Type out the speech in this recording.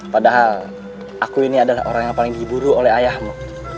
padahal aku ini adalah orang yang paling diburu oleh ayahmu